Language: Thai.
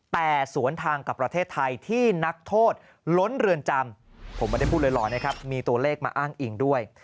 แต่สวนทางกับประเทศไทยที่นักโทษล้นเรือนจำผมไม่ได้พูดลอยนะครับมีตัวเลขมาอ้างอิงด้วย